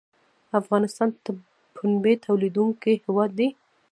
افغانستان د پنبې تولیدونکی هیواد دی